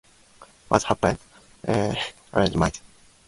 What happens afterwards might.